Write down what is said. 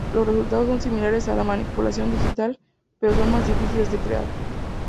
Los resultados son similares a la manipulación digital, pero son más difíciles de crear.